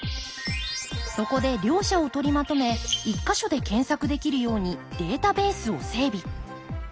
そこで両者を取りまとめ１か所で検索できるようにデータベースを整備。